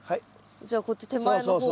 じゃあこっち手前の方を。